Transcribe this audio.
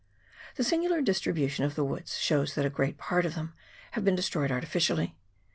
The singular distribution of the woods shows that a great part of them have been destroyed artificially.